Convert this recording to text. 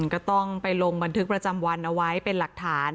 ก็ต้องไปลงบันทึกประจำวันเอาไว้เป็นหลักฐาน